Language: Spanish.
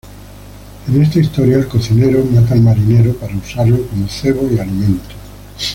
En esta historia, el cocinero mata al marinero para usarlo como cebo y alimento.